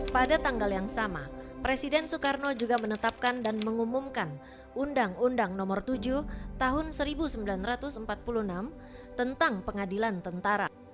pada tanggal yang sama presiden soekarno juga menetapkan dan mengumumkan undang undang nomor tujuh tahun seribu sembilan ratus empat puluh enam tentang pengadilan tentara